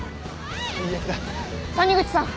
谷口さん。